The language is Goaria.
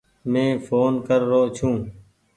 مين ڦون ڪر رو ڇون ۔